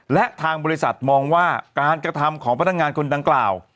และทางบริษัทมองว่าการกระทำของพนักงานคนดังกล่าว